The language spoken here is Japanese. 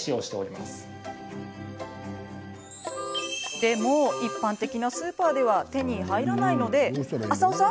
でも、一般的なスーパーでは手に入らないので、浅尾さん